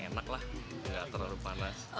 enak lah nggak terlalu panas